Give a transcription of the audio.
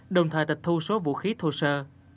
đồng thời tật thu số vũ khí thô sơ